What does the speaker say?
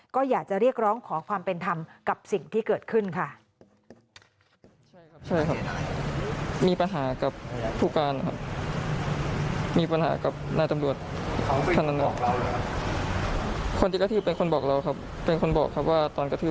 ก็อยากจะเรียกร้องขอความเป็นธรรมกับสิ่งที่เกิดขึ้นค่ะ